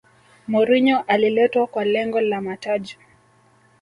mourinho aliletwa kwa lengo la mataji